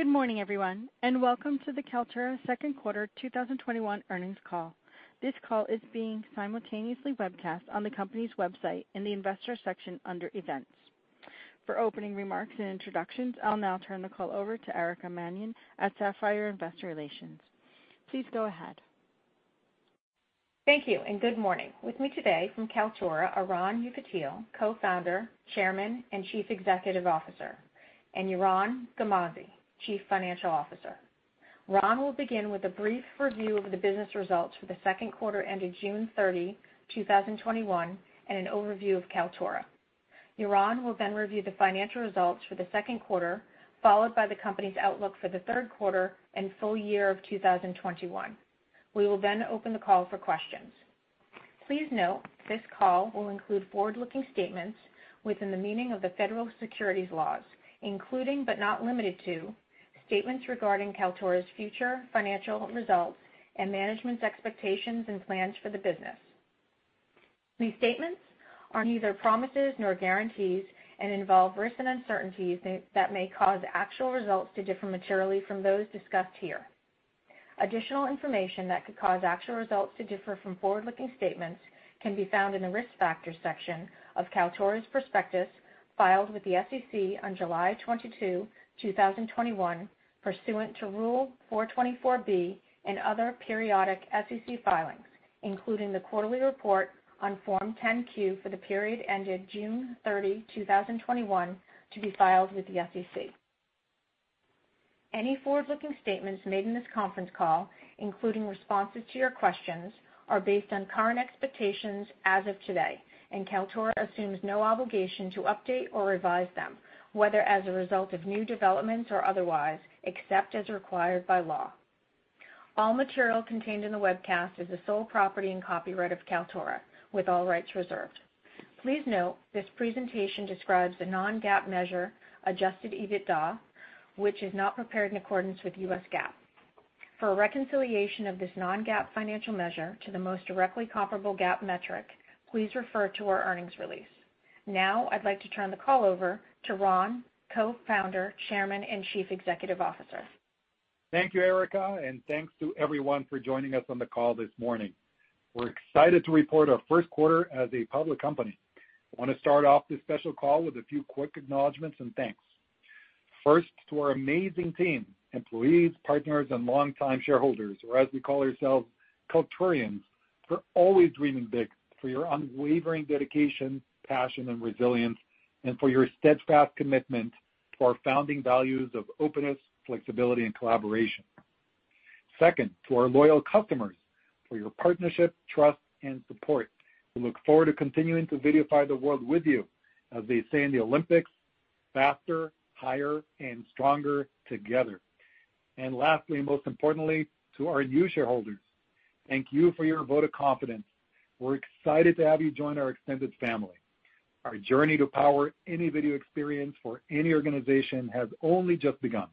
Good morning, everyone, welcome to the Kaltura second quarter 2021 earnings call. This call is being simultaneously webcast on the company's website in the Investors section under Events. For opening remarks and introductions, I'll now turn the call over to Erica Mannion at Sapphire Investor Relations. Please go ahead. Thank you, good morning. With me today from Kaltura are Ron Yekutiel, co-founder, chairman, and Chief Executive Officer, and Yaron Garmazi, Chief Financial Officer. Ron will begin with a brief review of the business results for the second quarter ended June 30, 2021, and an overview of Kaltura. Yaron will then review the financial results for the second quarter, followed by the company's outlook for the third quarter and full year of 2021. We will then open the call for questions. Please note this call will include forward-looking statements within the meaning of the federal securities laws, including but not limited to, statements regarding Kaltura's future financial results and management's expectations and plans for the business. These statements are neither promises nor guarantees and involve risks and uncertainties that may cause actual results to differ materially from those discussed here. Additional information that could cause actual results to differ from forward-looking statements can be found in the Risk Factors section of Kaltura's prospectus filed with the SEC on July 22, 2021, pursuant to Rule 424 and other periodic SEC filings, including the quarterly report on Form 10-Q for the period ended June 30, 2021, to be filed with the SEC. Any forward-looking statements made in this conference call, including responses to your questions, are based on current expectations as of today, and Kaltura assumes no obligation to update or revise them, whether as a result of new developments or otherwise, except as required by law. All material contained in the webcast is the sole property and copyright of Kaltura, with all rights reserved. Please note this presentation describes a non-GAAP measure, adjusted EBITDA, which is not prepared in accordance with US GAAP. For a reconciliation of this non-GAAP financial measure to the most directly comparable GAAP metric, please refer to our earnings release. I'd like to turn the call over to Ron, Co-founder, Chairman, and Chief Executive Officer. Thank you, Erica, thanks to everyone for joining us on the call this morning. We're excited to report our first quarter as a public company. I want to start off this special call with a few quick acknowledgments and thanks. First to our amazing team, employees, partners, and longtime shareholders, or as we call ourselves, Kalturians, for always dreaming big, for your unwavering dedication, passion, and resilience, and for your steadfast commitment to our founding values of openness, flexibility, and collaboration. Second, to our loyal customers, for your partnership, trust, and support. We look forward to continuing to videofy the world with you. As they say in the Olympics, faster, higher, and stronger together. Lastly, and most importantly, to our new shareholders, thank you for your vote of confidence. We're excited to have you join our extended family. Our journey to power any video experience for any organization has only just begun.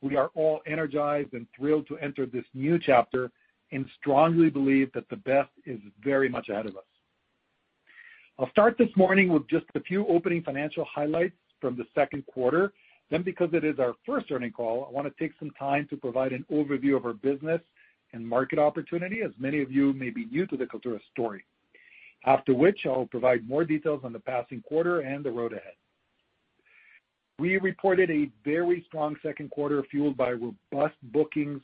We are all energized and thrilled to enter this new chapter and strongly believe that the best is very much ahead of us. I'll start this morning with just a few opening financial highlights from the second quarter. Because it is our first earnings call, I want to take some time to provide an overview of our business and market opportunity, as many of you may be new to the Kaltura story. After which, I will provide more details on the passing quarter and the road ahead. We reported a very strong second quarter, fueled by robust bookings,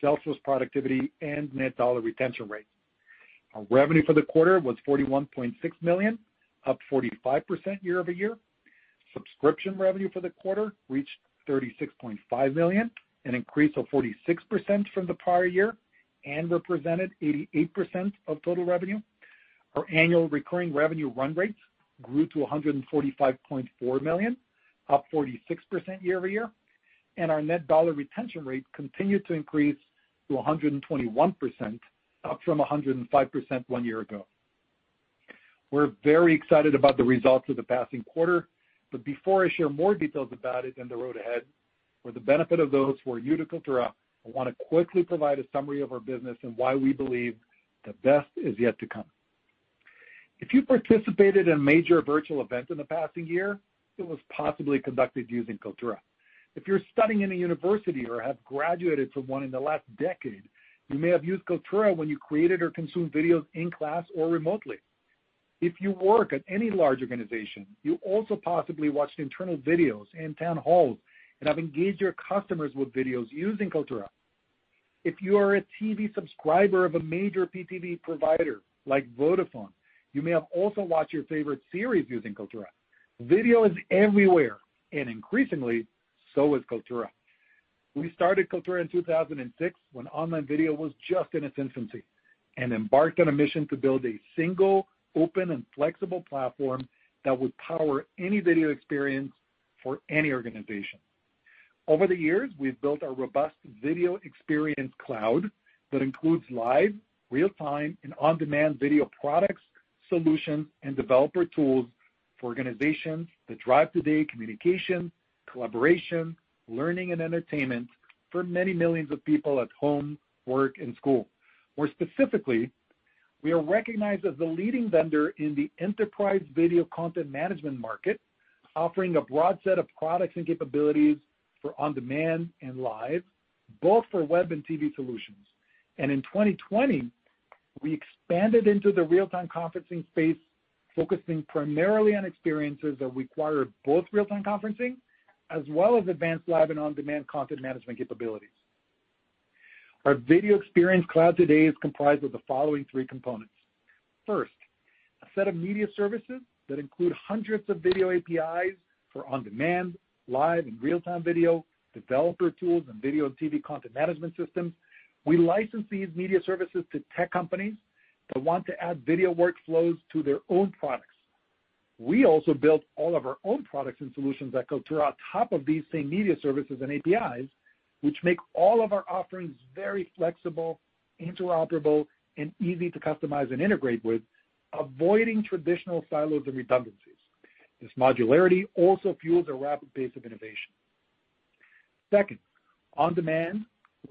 sales force productivity, and net dollar retention rates. Our revenue for the quarter was $41.6 million, up 45% year-over-year. Subscription revenue for the quarter reached $36.5 million, an increase of 46% from the prior year, and represented 88% of total revenue. Our annual recurring revenue run rates grew to $145.4 million, up 46% year-over-year. Our net dollar retention rate continued to increase to 121%, up from 105% one year ago. We're very excited about the results of the passing quarter, but before I share more details about it and the road ahead, for the benefit of those who are new to Kaltura, I want to quickly provide a summary of our business and why we believe the best is yet to come. If you participated in a major virtual event in the past year, it was possibly conducted using Kaltura. If you're studying in a university or have graduated from one in the last decade, you may have used Kaltura when you created or consumed videos in class or remotely. If you work at any large organization, you also possibly watched internal videos and town halls and have engaged your customers with videos using Kaltura. If you are a TV subscriber of a major Pay TV provider like Vodafone, you may have also watched your favorite series using Kaltura. Video is everywhere, and increasingly, so is Kaltura. We started Kaltura in 2006 when online video was just in its infancy and embarked on a mission to build a single open and flexible platform that would power any video experience for any organization. Over the years, we've built a robust Video Experience Cloud that includes live, real-time, and on-demand video products, solutions, and developer tools for organizations that drive today communication, collaboration, learning, and entertainment for many millions of people at home, work, and school. More specifically. We are recognized as the leading vendor in the enterprise video content management market, offering a broad set of products and capabilities for on-demand and live, both for web and TV solutions. In 2020, we expanded into the real-time conferencing space, focusing primarily on experiences that require both real-time conferencing as well as advanced live and on-demand content management capabilities. Our Video Experience Cloud today is comprised of the following 3 components. First, a set of media services that include hundreds of video APIs for on-demand, live, and real-time video, developer tools, and video and TV content management systems. We license these media services to tech companies that want to add video workflows to their own products. We also build all of our own products and solutions that go throughout top of these same media services and APIs, which make all of our offerings very flexible, interoperable, and easy to customize and integrate with, avoiding traditional silos and redundancies. This modularity also fuels a rapid pace of innovation. Second, on-demand,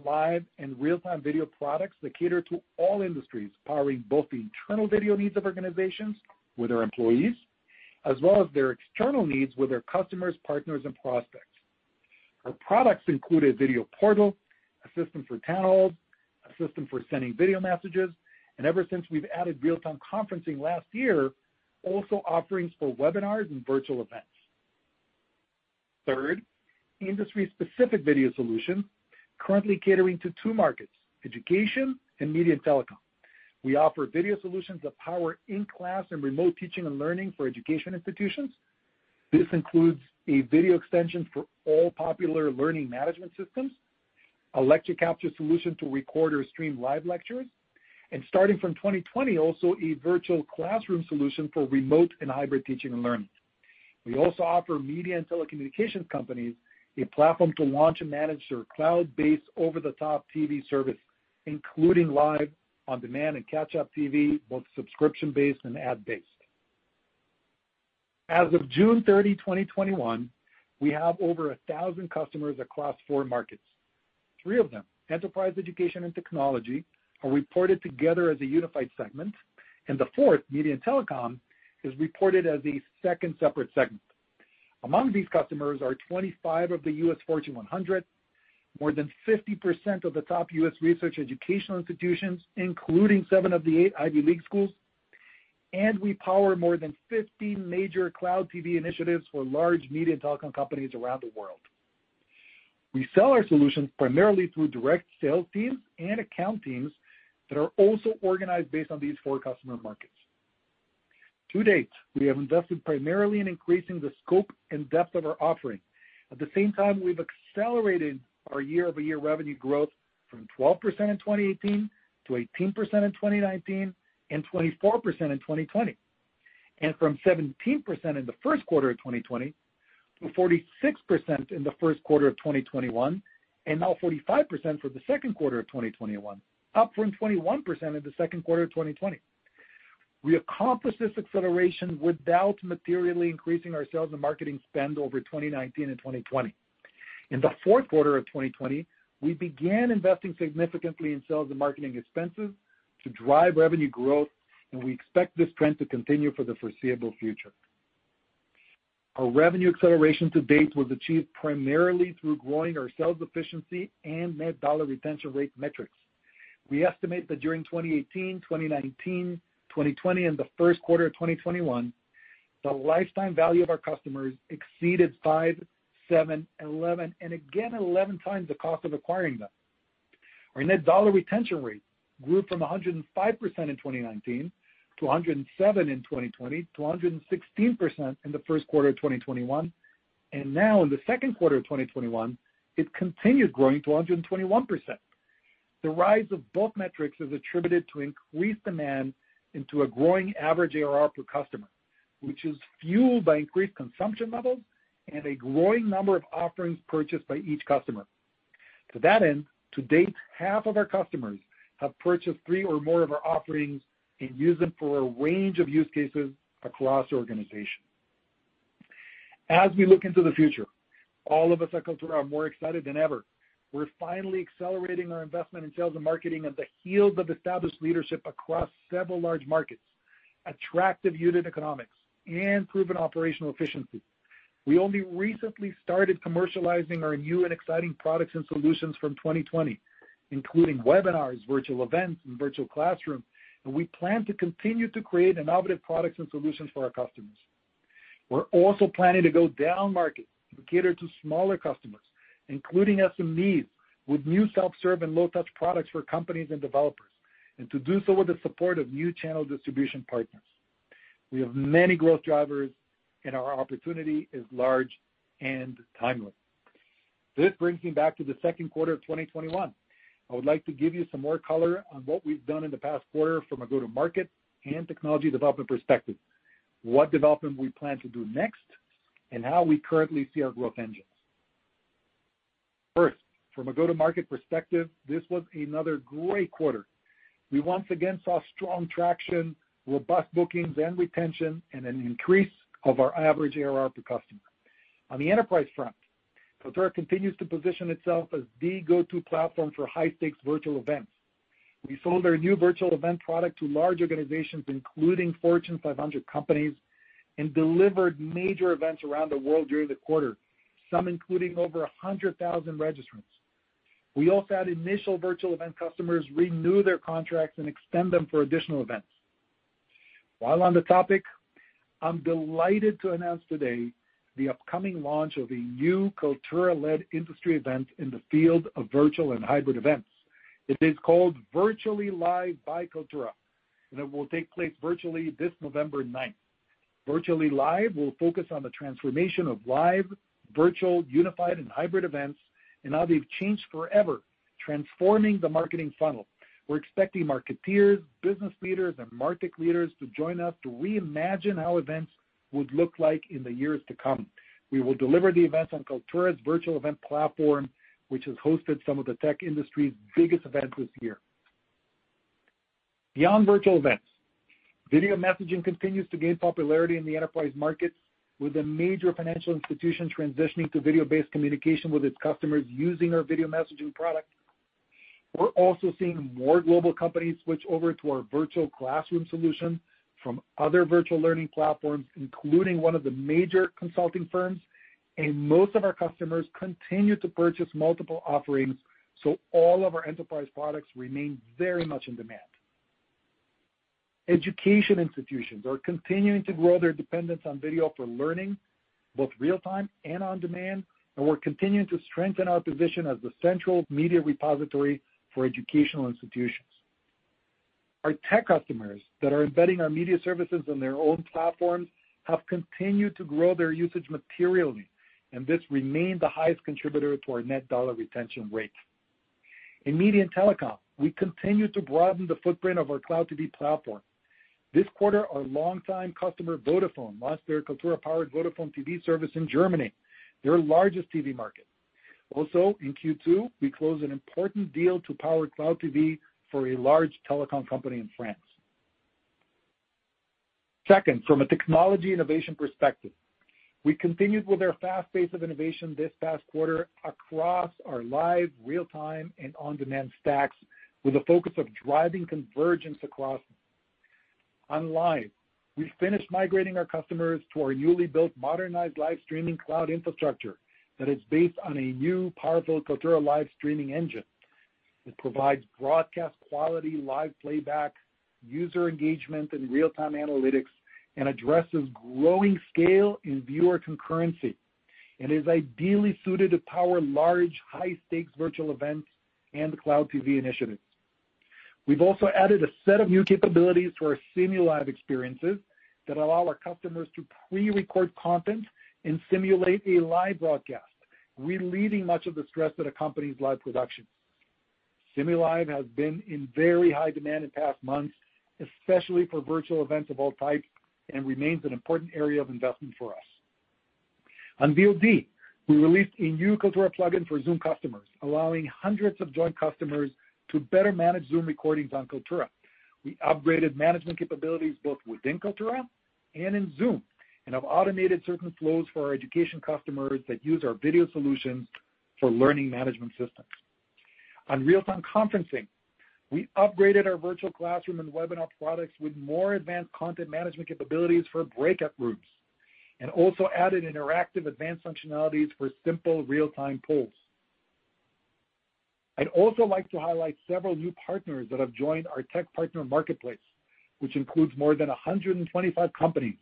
live, and real-time video products that cater to all industries, powering both the internal video needs of organizations with their employees, as well as their external needs with their customers, partners, and prospects. Our products include a video portal, a system for town halls, a system for sending video messages, and ever since we've added real-time conferencing last year, also offerings for webinars and virtual events. Third, industry-specific video solutions currently catering to two markets, education and media and telecom. We offer video solutions that power in-class and remote teaching and learning for education institutions. This includes a video extension for all popular learning management systems, a lecture capture solution to record or stream live lectures, and starting from 2020, also a virtual classroom solution for remote and hybrid teaching and learning. We also offer media and telecommunications companies a platform to launch and manage their cloud-based, over-the-top TV service, including live, on-demand, and catch-up TV, both subscription-based and ad-based. As of June 30, 2021, we have over 1,000 customers across four markets. Three of them, Enterprise, Education, and Technology, are reported together as a unified segment, and the fourth, Media and Telecom, is reported as a second separate segment. Among these customers are 25 of the U.S. Fortune 100, more than 50% of the top U.S. research educational institutions, including 7 of the 8 Ivy League schools, we power more than 50 major Cloud TV initiatives for large media and telecom companies around the world. We sell our solutions primarily through direct sales teams and account teams that are also organized based on these four customer markets. To date, we have invested primarily in increasing the scope and depth of our offering. At the same time, we've accelerated our year-over-year revenue growth from 12% in 2018 to 18% in 2019 and 24% in 2020. From 17% in the first quarter of 2020 to 46% in the first quarter of 2021, and now 45% for the second quarter of 2021, up from 21% in the second quarter of 2020. We accomplished this acceleration without materially increasing our sales and marketing spend over 2019 and 2020. In the fourth quarter of 2020, we began investing significantly in sales and marketing expenses to drive revenue growth. We expect this trend to continue for the foreseeable future. Our revenue acceleration to date was achieved primarily through growing our sales efficiency and net dollar retention rate metrics. We estimate that during 2018, 2019, 2020, and the first quarter of 2021, the lifetime value of our customers exceeded 5, 7, 11, and again 11 times the cost of acquiring them. Our net dollar retention rate grew from 105% in 2019 to 107% in 2020 to 116% in the first quarter of 2021. Now in the second quarter of 2021, it continued growing to 121%. The rise of both metrics is attributed to increased demand into a growing average ARR per customer, which is fueled by increased consumption levels and a growing number of offerings purchased by each customer. To that end, to date, half of our customers have purchased 3 or more of our offerings and use them for a range of use cases across their organization. As we look into the future, all of us at Kaltura are more excited than ever. We're finally accelerating our investment in sales and marketing at the heels of established leadership across several large markets, attractive unit economics, and proven operational efficiency. We only recently started commercializing our new and exciting products and solutions from 2020, including webinars, virtual events, and virtual classrooms, and we plan to continue to create innovative products and solutions for our customers. We're also planning to go down market to cater to smaller customers, including SMEs, with new self-serve and low-touch products for companies and developers, and to do so with the support of new channel distribution partners. We have many growth drivers, and our opportunity is large and timeless. This brings me back to the second quarter of 2021. I would like to give you some more color on what we've done in the past quarter from a go-to-market and technology development perspective, what development we plan to do next, and how we currently see our growth engines. First, from a go-to-market perspective, this was another great quarter. We once again saw strong traction, robust bookings and retention, and an increase of our average ARR per customer. On the enterprise front, Kaltura continues to position itself as the go-to platform for high-stakes virtual events. We sold our new virtual event product to large organizations, including Fortune 500 companies, and delivered major events around the world during the quarter, some including over 100,000 registrants. We also had initial virtual event customers renew their contracts and extend them for additional events. While on the topic, I'm delighted to announce today the upcoming launch of a new Kaltura-led industry event in the field of virtual and hybrid events. It is called Virtually Live by Kaltura, and it will take place virtually this November 9th. Virtually Live will focus on the transformation of live, virtual, unified, and hybrid events and how they've changed forever, transforming the marketing funnel. We're expecting marketeers, business leaders, and MarTech leaders to join us to reimagine how events would look like in the years to come. We will deliver the event on Kaltura's virtual event platform, which has hosted some of the tech industry's biggest events this year. Beyond virtual events, video messaging continues to gain popularity in the enterprise markets, with a major financial institution transitioning to video-based communication with its customers using our video messaging product. We're also seeing more global companies switch over to our virtual classroom solution from other virtual learning platforms, including one of the major consulting firms. Most of our customers continue to purchase multiple offerings. All of our enterprise products remain very much in demand. Education institutions are continuing to grow their dependence on video for learning, both real-time and on-demand. We're continuing to strengthen our position as the central media repository for educational institutions. Our tech customers that are embedding our media services on their own platforms have continued to grow their usage materially, and this remained the highest contributor to our net dollar retention rates. In media and telecom, we continue to broaden the footprint of our Cloud TV platform. This quarter, our longtime customer, Vodafone, launched their Kaltura-powered Vodafone TV service in Germany, their largest TV market. In Q2, we closed an important deal to power Cloud TV for a large telecom company in France. From a technology innovation perspective, we continued with our fast pace of innovation this past quarter across our live, real-time, and on-demand stacks with a focus of driving convergence across. Live, we finished migrating our customers to our newly built modernized live streaming cloud infrastructure that is based on a new powerful Kaltura live streaming engine. It provides broadcast quality, live playback, user engagement, and real-time analytics, addresses growing scale in viewer concurrency, is ideally suited to power large, high-stakes virtual events and Cloud TV initiatives. We've also added a set of new capabilities to our simulive experiences that allow our customers to pre-record content and simulate a live broadcast, relieving much of the stress that accompanies live production. Simulive has been in very high demand in past months, especially for virtual events of all types, remains an important area of investment for us. On VOD, we released a new Kaltura plugin for Zoom customers, allowing hundreds of joint customers to better manage Zoom recordings on Kaltura. We upgraded management capabilities both within Kaltura and in Zoom, have automated certain flows for our education customers that use our video solutions for learning management systems. On real-time conferencing, we upgraded our virtual classroom and webinar products with more advanced content management capabilities for breakout rooms, and also added interactive advanced functionalities for simple real-time polls. I'd also like to highlight several new partners that have joined our tech partner marketplace, which includes more than 125 companies,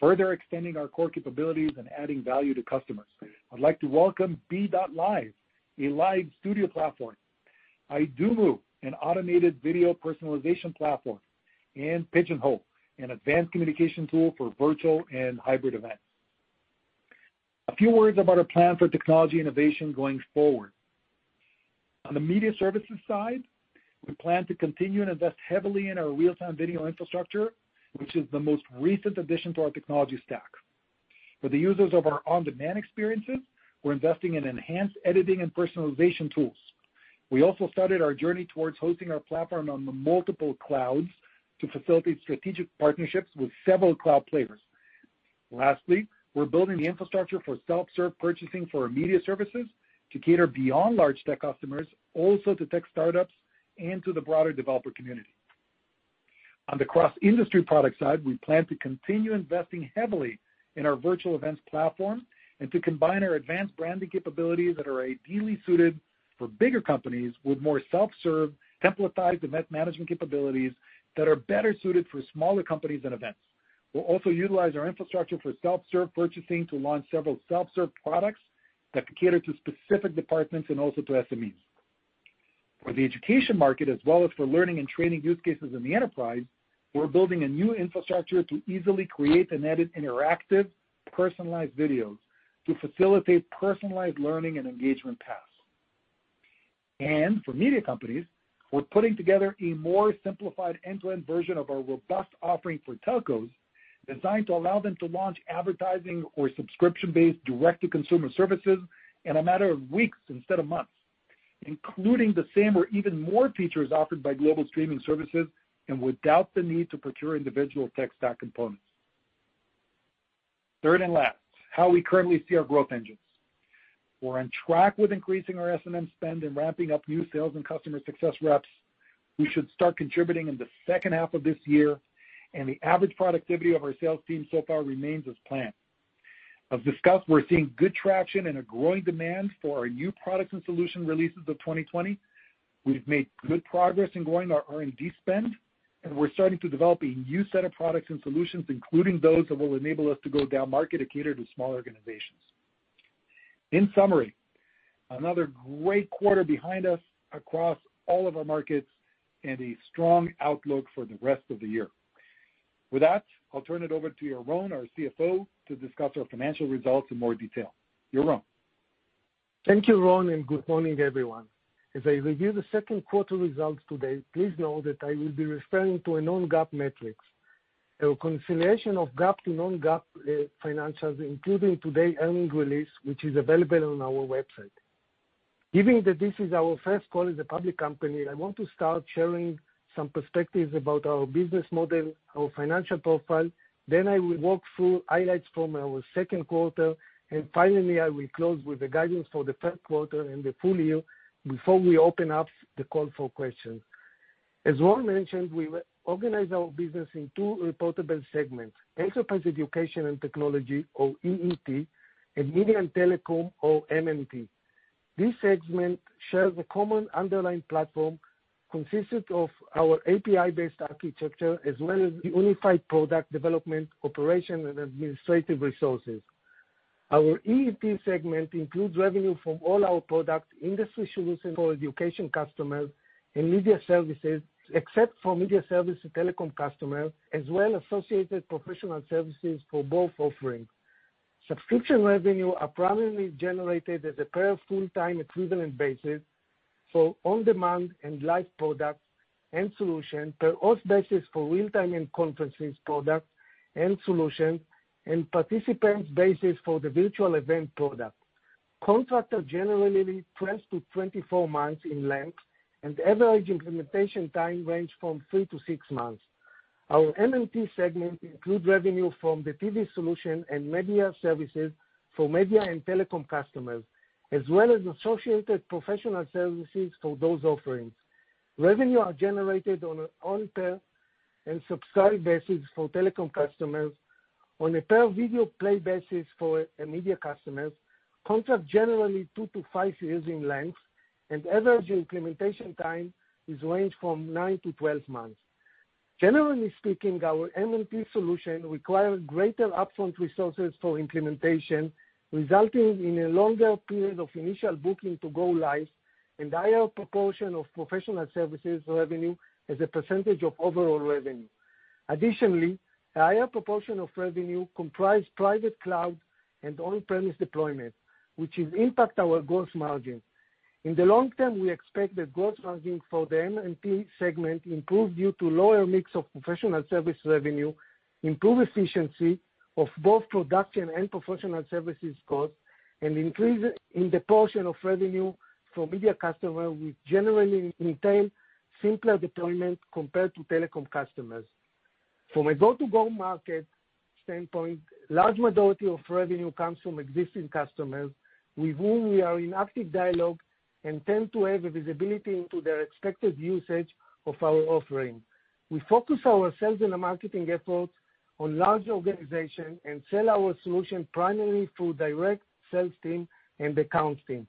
further extending our core capabilities and adding value to customers. I'd like to welcome Be.Live, a live studio platform, Idomoo, an automated video personalization platform, and Pigeonhole, an advanced communication tool for virtual and hybrid events. A few words about our plan for technology innovation going forward. On the media services side, we plan to continue and invest heavily in our real-time video infrastructure, which is the most recent addition to our technology stack. For the users of our on-demand experiences, we're investing in enhanced editing and personalization tools. We also started our journey towards hosting our platform on multiple clouds to facilitate strategic partnerships with several cloud players. Lastly, we're building the infrastructure for self-serve purchasing for our media services to cater beyond large tech customers, also to tech startups and to the broader developer community. On the cross-industry product side, we plan to continue investing heavily in our virtual events platform and to combine our advanced branding capabilities that are ideally suited for bigger companies with more self-serve, templatized, and management capabilities that are better suited for smaller companies and events. We'll also utilize our infrastructure for self-serve purchasing to launch several self-serve products that can cater to specific departments and also to SMEs. For the education market, as well as for learning and training use cases in the enterprise, we're building a new infrastructure to easily create and edit interactive, personalized videos to facilitate personalized learning and engagement paths. For media companies, we're putting together a more simplified end-to-end version of our robust offering for telcos, designed to allow them to launch advertising or subscription-based direct-to-consumer services in a matter of weeks instead of months. Including the same or even more features offered by global streaming services and without the need to procure individual tech stack components. Third and last, how we currently see our growth engines. We're on track with increasing our S&M spend and ramping up new sales and customer success reps, who should start contributing in the second half of this year, and the average productivity of our sales team so far remains as planned. As discussed, we're seeing good traction and a growing demand for our new products and solution releases of 2020. We've made good progress in growing our R&D spend, and we're starting to develop a new set of products and solutions, including those that will enable us to go down market to cater to smaller organizations. In summary, another great quarter behind us across all of our markets and a strong outlook for the rest of the year. With that, I'll turn it over to Yaron, our CFO, to discuss our financial results in more detail. Yaron? Thank you, Ron. Good morning, everyone. As I review the second quarter results today, please know that I will be referring to non-GAAP metrics, a consolidation of GAAP to non-GAAP financials, including today's earnings release, which is available on our website. Given that this is our first call as a public company, I want to start sharing some perspectives about our business model, our financial profile, then I will walk through highlights from our second quarter, and finally, I will close with the guidance for the third quarter and the full year before we open up the call for questions. As Ron mentioned, we organize our business in two reportable segments, Enterprise & Education Technology, or EET, and Media and Telecom or M&T. These segments share the common underlying platform consisting of our API-based architecture as well as the unified product development operation and administrative resources. Our EET segment includes revenue from all our products, industry solutions for education customers and media services, except for media service and telecom customers, as well associated professional services for both offerings. Subscription revenue are primarily generated as a per full-time equivalent basis for on-demand and live products and solutions, per host basis for real-time and conferences products and solutions, and participants basis for the virtual event product. Contracts are generally 20-24 months in length, and the average implementation time range from 3-6 months. Our M&T segment include revenue from the TV solution and media services for media and telecom customers, as well as associated professional services for those offerings. Revenue are generated on a per and subscribed basis for telecom customers, on a per video play basis for media customers, contracts generally 2-5 years in length, and average implementation time is range from 9-12 months. Generally speaking, our M&T solution require greater upfront resources for implementation, resulting in a longer period of initial booking to go live and higher proportion of professional services revenue as a percentage of overall revenue. Additionally, a higher proportion of revenue comprise private cloud and on-premise deployment, which impact our gross margin. In the long term, we expect the gross margin for the M&T segment improve due to lower mix of professional service revenue, improve efficiency of both production and professional services cost, and increase in the portion of revenue for media customer will generally entail simpler deployment compared to telecom customers. From a go-to-market standpoint, large majority of revenue comes from existing customers with whom we are in active dialogue and tend to have a visibility into their expected usage of our offering. We focus our sales and marketing efforts on large organization and sell our solution primarily through direct sales team and accounts team.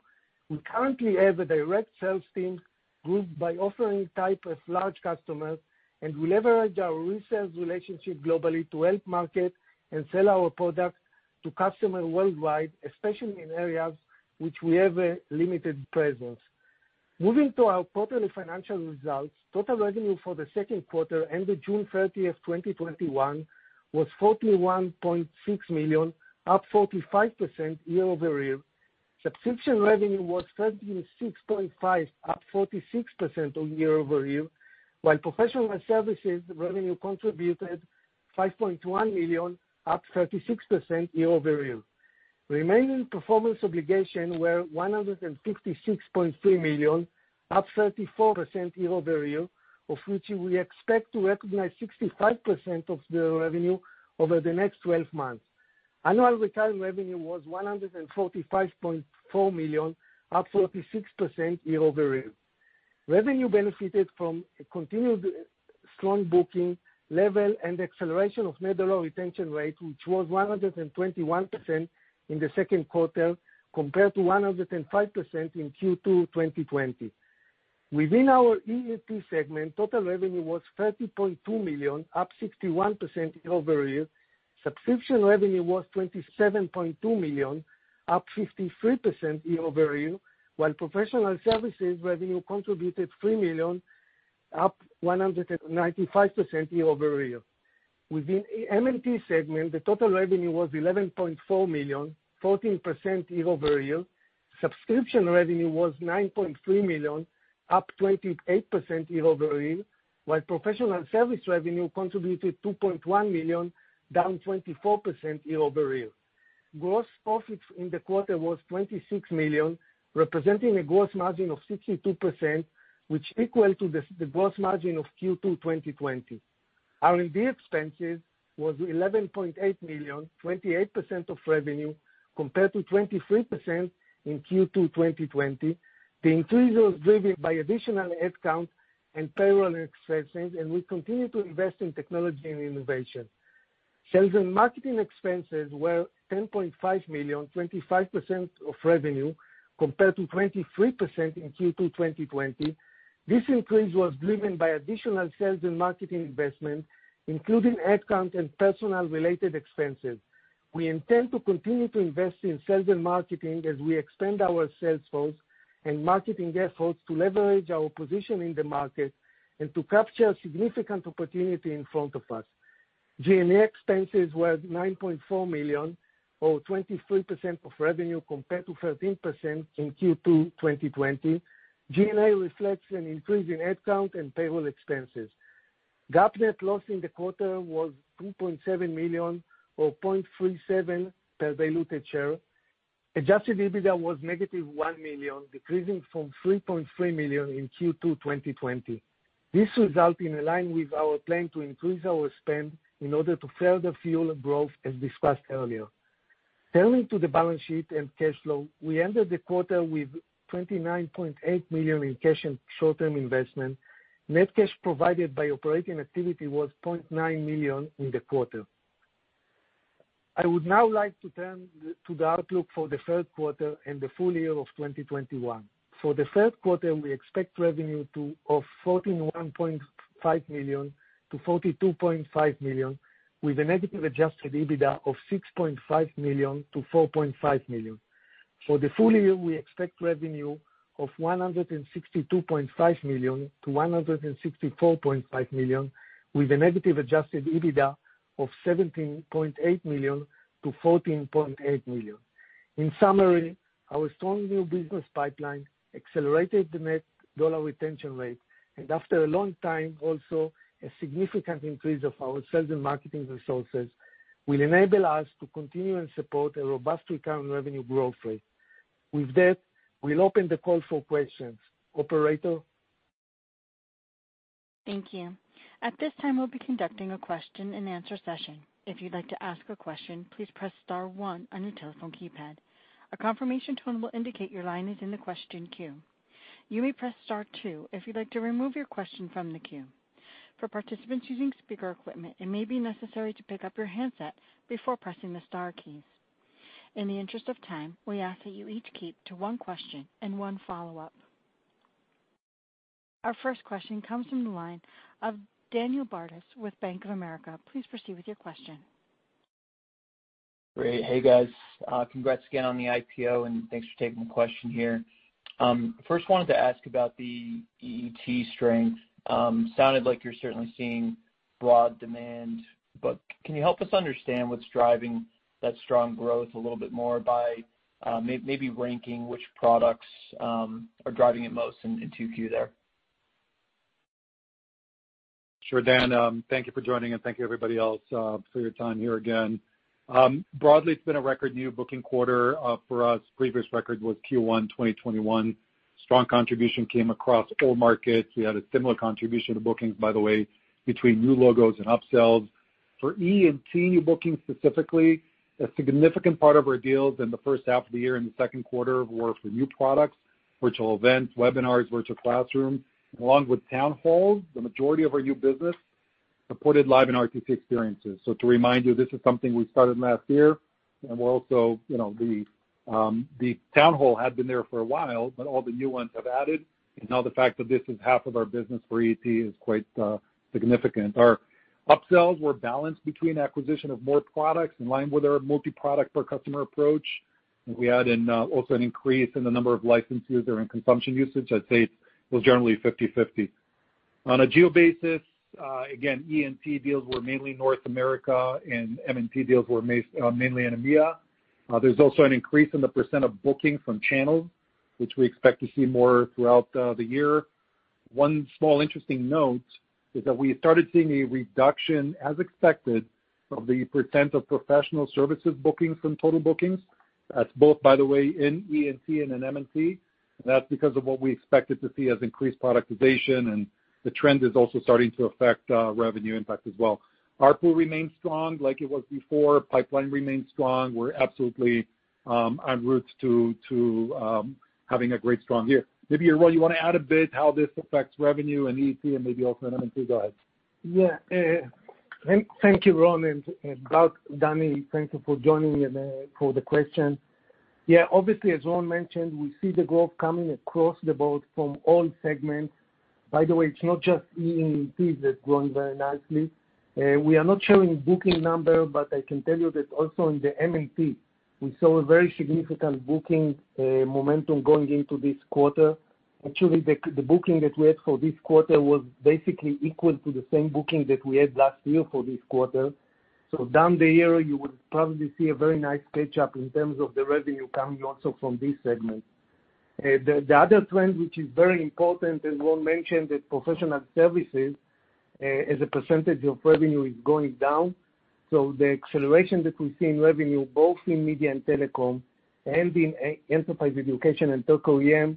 We currently have a direct sales team grouped by offering type of large customers, and we leverage our resale relationship globally to help market and sell our product to customer worldwide, especially in areas which we have a limited presence. Moving to our quarterly financial results, total revenue for the second quarter ended June 30th, 2021, was $41.6 million, up 45% year-over-year. Subscription revenue was $36.5, up 36% on year-over-year, while professional services revenue contributed $5.1 million, up 36% year-over-year. Remaining performance obligation were $156.3 million, up 34% year-over-year, of which we expect to recognize 65% of the revenue over the next 12 months. Annual recurring revenue was $145.4 million, up 36% year-over-year. Revenue benefited from a continued strong booking level and acceleration of net dollar retention rate, which was 121% in the second quarter compared to 105% in Q2 2020. Within our EET segment, total revenue was $30.2 million, up 61% year-over-year. Subscription revenue was $27.2 million, up 53% year-over-year, while professional services revenue contributed $3 million, up 195% year-over-year. Within M&T segment, the total revenue was $11.4 million, 14% year-over-year. Subscription revenue was $9.3 million, up 28% year-over-year, while professional service revenue contributed $2.1 million, down 24% year-over-year. Gross profit in the quarter was $26 million, representing a gross margin of 62%, which equaled the gross margin of Q2 2020. R&D expenses were $11.8 million, 28% of revenue, compared to 23% in Q2 2020. The increase was driven by additional headcount and payroll expenses. We continue to invest in technology and innovation. Sales and marketing expenses were $10.5 million, 25% of revenue, compared to 23% in Q2 2020. This increase was driven by additional sales and marketing investment, including headcount and personnel-related expenses. We intend to continue to invest in sales and marketing as we expand our sales force and marketing efforts to leverage our position in the market and to capture a significant opportunity in front of us. G&A expenses were $9.4 million, or 23% of revenue, compared to 13% in Q2 2020. G&A reflects an increase in head count and payroll expenses. GAAP net loss in the quarter was $2.7 million, or $0.37 per diluted share. Adjusted EBITDA was negative $1 million, decreasing from $3.3 million in Q2 2020. This result is in line with our plan to increase our spend in order to further fuel growth, as discussed earlier. Turning to the balance sheet and cash flow, we ended the quarter with $29.8 million in cash and short-term investment. Net cash provided by operating activity was $0.9 million in the quarter. I would now like to turn to the outlook for the third quarter and the full year of 2021. For the third quarter, we expect revenue of $41.5 million-$42.5 million, with a negative Adjusted EBITDA of $6.5 million-$4.5 million. For the full year, we expect revenue of $162.5 million-$164.5 million, with a negative Adjusted EBITDA of $17.8 million-$14.8 million. In summary, our strong new business pipeline accelerated the net dollar retention rate. After a long time, also, a significant increase of our sales and marketing resources will enable us to continue and support a robust recurring revenue growth rate. With that, we'll open the call for questions. Operator? Thank you. At this time, we'll be conducting a question and answer session. If you'd like to ask a question, please press star one on your telephone keypad. A confirmation tone will indicate your line is in the question queue. You may press star two if you'd like to remove your question from the queue. For participants using speaker equipment, it may be necessary to pick up your handset before pressing the star keys. In the interest of time, we ask that you each keep to one question and one follow-up. Our first question comes from the line of Daniel Ives with Bank of America. Please proceed with your question. Great. Hey, guys. Congrats again on the IPO, and thanks for taking the question here. I first wanted to ask about the EET strength. Sounded like you're certainly seeing broad demand, but can you help us understand what's driving that strong growth a little bit more by maybe ranking which products are driving it most in 2Q there? Sure, Dan. Thank you for joining, and thank you everybody else for your time here again. Broadly, it's been a record new booking quarter for us. Previous record was Q1 2021. Strong contribution came across all markets. We had a similar contribution to bookings, by the way, between new logos and upsells. For EET new bookings specifically, a significant part of our deals in the first half of the year, in the second quarter, were for new products, virtual events, webinars, virtual classrooms, along with town halls. The majority of our new business supported live and RTC experiences. to remind you, this is something we started last year. The town hall had been there for a while, but all the new ones have added. now the fact that this is half of our business for EET is quite significant. Our upsells were balanced between acquisition of more products, in line with our multi-product per customer approach. We had also an increase in the number of licenses that are in consumption usage. I'd say it was generally 50/50. On a geo basis, again, EET deals were mainly North America. M&T deals were mainly in EMEA. There's also an increase in the % of booking from channels, which we expect to see more throughout the year. One small interesting note is that we started seeing a reduction, as expected, of the % of professional services bookings from total bookings. That's both, by the way, in EET and in M&T. That's because of what we expected to see as increased productization. The trend is also starting to affect revenue impact as well. ARPU remains strong like it was before. Pipeline remains strong. We're absolutely en route to having a great, strong year. Yaron, you want to add a bit how this affects revenue and EET and maybe also in M&T? Go ahead. Thank you, Ron, and Dan, thank you for joining and for the question. Obviously, as Ron mentioned, we see the growth coming across the board from all segments. By the way, it's not just EET that's grown very nicely. We are not showing booking number, but I can tell you that also in the M&T, we saw a very significant booking momentum going into this quarter. Actually, the booking that we had for this quarter was basically equal to the same booking that we had last year for this quarter. Down the year, you would probably see a very nice catch up in terms of the revenue coming also from this segment. The other trend, which is very important, Ron mentioned that professional services as a percentage of revenue is going down. The acceleration that we see in revenue, both in media and telecom, and in Enterprise Education and Tech OEM,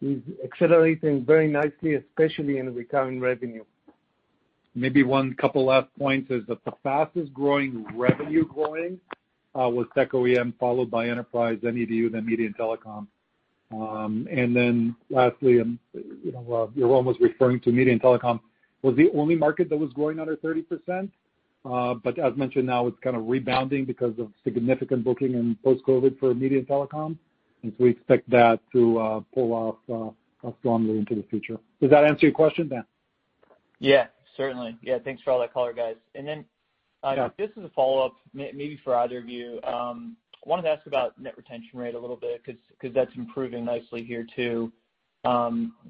is accelerating very nicely, especially in recurring revenue. Maybe one couple last points is that the fastest growing revenue, was Tech OEM, followed by Enterprise & Edu, then media and telecom. Lastly, Yaron was referring to media and telecom was the only market that was growing under 30%. As mentioned, now it's kind of rebounding because of significant booking in post-COVID for media and telecom, and so we expect that to pull off, strongly into the future. Does that answer your question, Dan? Yeah, certainly. Yeah, thanks for all that color, guys. Yeah Just as a follow-up, maybe for either of you. I wanted to ask about net retention rate a little bit, because that's improving nicely here too.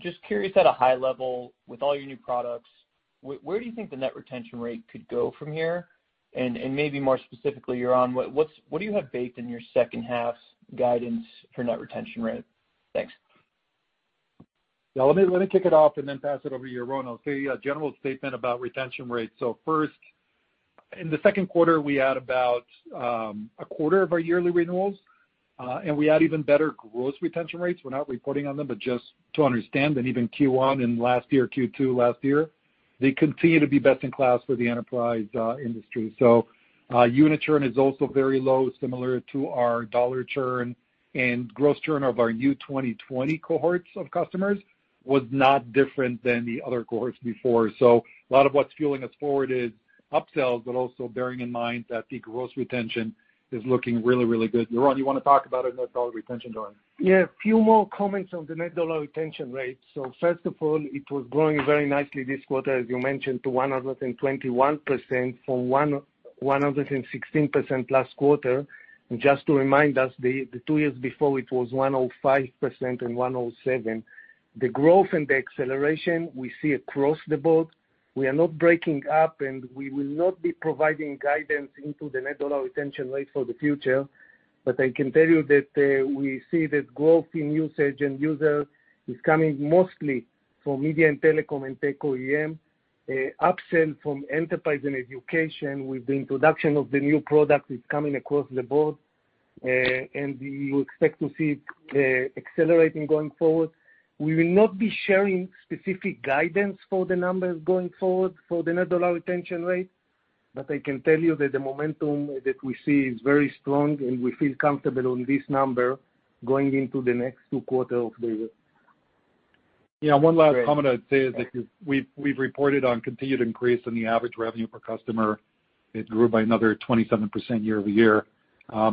Just curious, at a high level, with all your new products, where do you think the net retention rate could go from here? Maybe more specifically, Yaron, what do you have baked in your second half's guidance for net retention rate? Thanks. Yeah, let me kick it off and then pass it over to Yaron. I'll tell you a general statement about retention rates. First, in the second quarter, we add about, a quarter of our yearly renewals. We add even better gross retention rates. We're not reporting on them, just to understand that even Q1 and Q2 last year, they continue to be best in class for the enterprise industry. Unit churn is also very low, similar to our dollar churn and gross churn of our new 2020 cohorts of customers was not different than the other cohorts before. A lot of what's fueling us forward is upsells, also bearing in mind that the gross retention is looking really, really good. Yaron, you want to talk about our net dollar retention rate? A few more comments on the net dollar retention rate. First of all, it was growing very nicely this quarter, as you mentioned, to 121% from 116% last quarter. Just to remind us, the two years before it was 105% and 107%. The growth and the acceleration we see across the board, we are not breaking up, and we will not be providing guidance into the net dollar retention rate for the future. I can tell you that we see that growth in usage and users is coming mostly from Media and Telecom and Tech OEM. Upsell from Enterprise and Education with the introduction of the new product is coming across the board, and we will expect to see it accelerating going forward. We will not be sharing specific guidance for the numbers going forward for the net dollar retention rate. I can tell you that the momentum that we see is very strong, and we feel comfortable on this number going into the next two quarters of the year. Yeah. One last comment I'd say is that we've reported on continued increase in the average revenue per customer. It grew by another 27% year-over-year.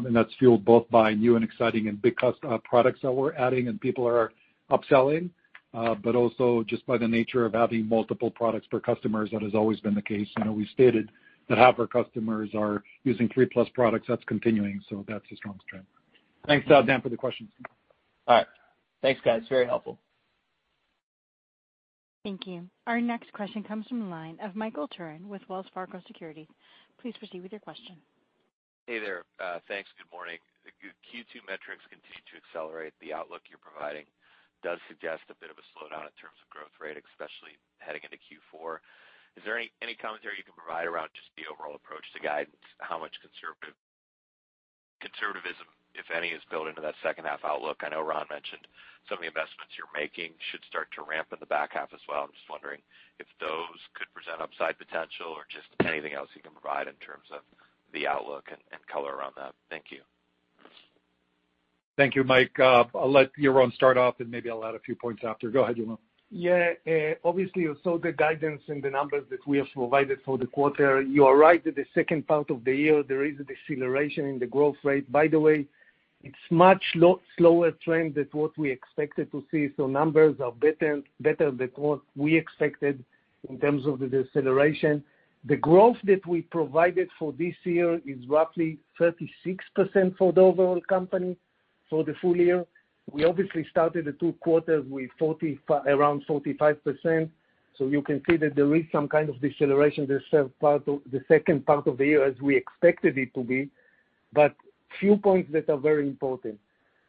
That's fueled both by new and exciting and big customer products that we're adding and people are upselling, but also just by the nature of having multiple products per customers. That has always been the case. We stated that half our customers are using 3-plus products. That's continuing. That's a strong trend. Thanks, Dan, for the questions. All right. Thanks, guys. Very helpful. Thank you. Our next question comes from the line of Michael Turrin with Wells Fargo Securities. Please proceed with your question. Hey there. Thanks. Good morning. The Q2 metrics continue to accelerate. The outlook you're providing does suggest a bit of a slowdown in terms of growth rate, especially heading into Q4. Is there any commentary you can provide around just the overall approach to guidance? How much conservatism, if any, is built into that second half outlook? I know Ron mentioned some of the investments you're making should start to ramp in the back half as well. I'm just wondering if those could present upside potential or just anything else you can provide in terms of the outlook and color around that. Thank you. Thank you. Mike. I'll let Yaron start off and maybe I'll add a few points after. Go ahead, Yaron. Yeah. Obviously, you saw the guidance in the numbers that we have provided for the quarter. You are right that the second part of the year, there is a deceleration in the growth rate. By the way, it is much slower trend than what we expected to see. Numbers are better than what we expected in terms of the deceleration. The growth that we provided for this year is roughly 36% for the overall company for the full year. We obviously started the 2 quarters with around 45%. You can see that there is some kind of deceleration the second part of the year as we expected it to be. A few points that are very important.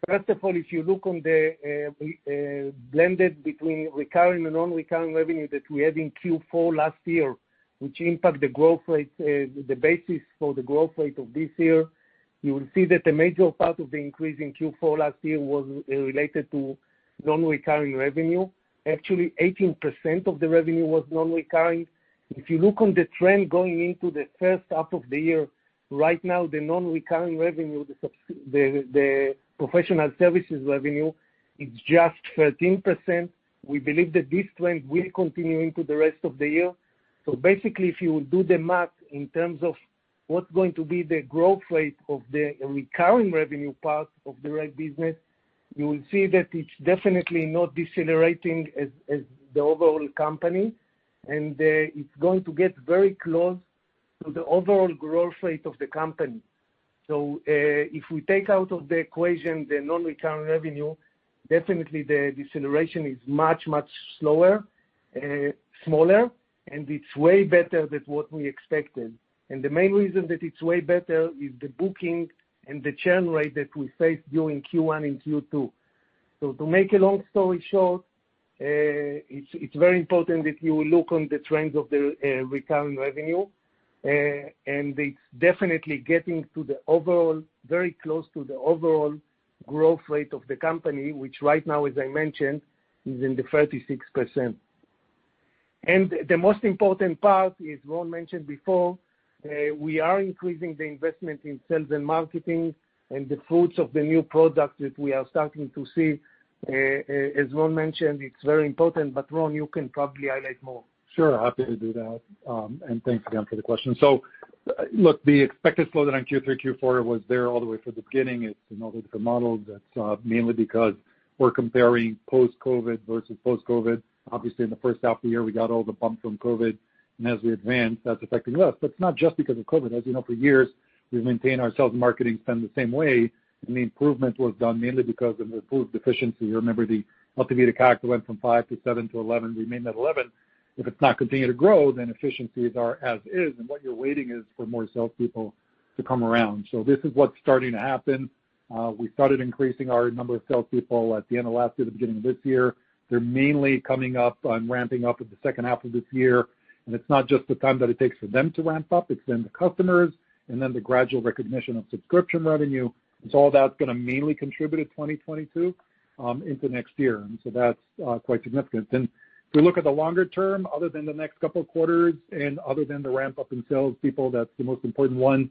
If you look on the blended between recurring and non-recurring revenue that we had in Q4 last year, which impact the basis for the growth rate of this year, you will see that a major part of the increase in Q4 last year was related to non-recurring revenue. 18% of the revenue was non-recurring. If you look on the trend going into the first half of the year, right now, the non-recurring revenue, the professional services revenue, is just 13%. We believe that this trend will continue into the rest of the year. If you do the math in terms of what's going to be the growth rate of the recurring revenue part of the right business, you will see that it's definitely not decelerating as the overall company, and it's going to get very close to the overall growth rate of the company. If we take out of the equation the non-recurring revenue, definitely the deceleration is much slower, smaller, and it's way better than what we expected. The main reason that it's way better is the booking and the churn rate that we faced during Q1 and Q2. To make a long story short, it's very important that you look on the trends of the recurring revenue, and it's definitely getting to the overall, very close to the overall growth rate of the company, which right now, as I mentioned, is in the 36%. The most important part is Ron mentioned before, we are increasing the investment in sales and marketing and the fruits of the new product that we are starting to see. As Ron mentioned, it's very important. Ron, you can probably highlight more. Sure. Happy to do that. Thanks again for the question. Look, the expected slowdown on Q3, Q4 was there all the way from the beginning. It's in all the different models. That's mainly because we're comparing post-COVID versus post-COVID. Obviously, in the first half of the year, we got all the bumps from COVID, and as we advance, that's affecting us. It's not just because of COVID. As you know, for years, we've maintained our sales and marketing spend the same way, and the improvement was done mainly because of improved efficiency. Remember, ultimately the CAC went from $5 to $7 to $11, remained at $11. If it's not continuing to grow, then efficiencies are as is, and what you're waiting is for more salespeople to come around. This is what's starting to happen. We started increasing our number of salespeople at the end of last year, the beginning of this year. They're mainly coming up on ramping up at the second half of this year, and it's not just the time that it takes for them to ramp up, it's then the customers, and then the gradual recognition of subscription revenue. All that's going to mainly contribute at 2022, into next year. That's quite significant. If we look at the longer term, other than the next couple of quarters and other than the ramp-up in salespeople, that's the most important one.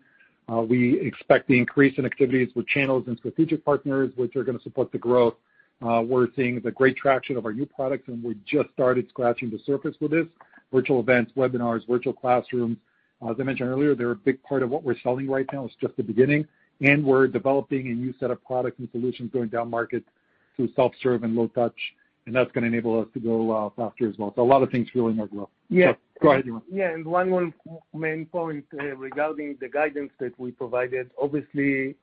We expect the increase in activities with channels and strategic partners, which are going to support the growth. We're seeing the great traction of our new products, and we just started scratching the surface with this. Virtual events, webinars, virtual classrooms, as I mentioned earlier, they're a big part of what we're selling right now. It's just the beginning, we're developing a new set of products and solutions going down market through self-serve and low touch, that's going to enable us to go faster as well. A lot of things fueling our growth. Yeah. Go ahead, Amir. Yeah, one more main point regarding the guidance that we provided. Obviously,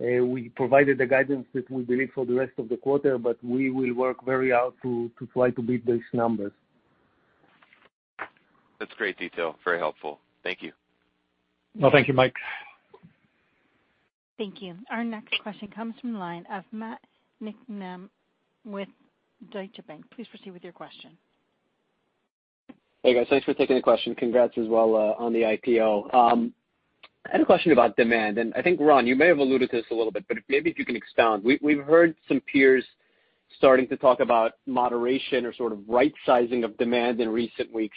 we provided the guidance that we believe for the rest of the quarter, we will work very hard to try to beat these numbers. That's great detail. Very helpful. Thank you. Well, thank you, Mike. Thank you. Our next question comes from the line of Matt Niknam with Deutsche Bank. Please proceed with your question. Hey, guys. Thanks for taking the question. Congrats as well on the IPO. I had a question about demand, and I think, Ron, you may have alluded to this a little bit, but maybe if you can expound. We've heard some peers starting to talk about moderation or sort of right-sizing of demand in recent weeks,